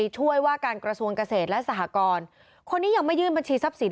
ช่วยว่าการกระทรวงเกษตรและสหกรคนนี้ยังไม่ยื่นบัญชีทรัพย์สิน